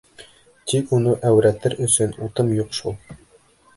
Тик уны әүрәтер өсөн утым юҡ шул.